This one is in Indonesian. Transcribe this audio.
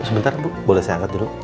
sebentar bu boleh saya angkat dulu